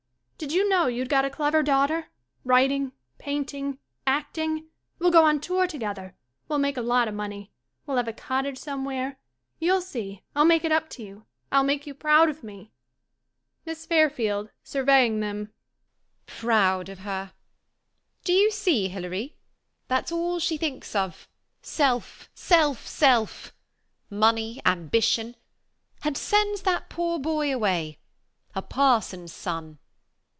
Did you know you'd got a clever daughter? Writing — paint ing — acting! We'll go on tour together. Well make a lot of money. We'll have a cottage some where. You see, I'll make it up to you. I'll make you proud of me. A BILL OF DIVORCEMENT 143 MISS FAIRFIELD [Surveying them,'] Proud of her! D'you see, Hilary! That's all she thinks of — self — self — self ! Money — ambition — and sends that poor boy away. A parson's son